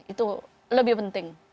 itu lebih penting